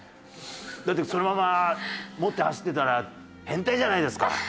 だってそのまま持って走ってたら変態じゃないですか。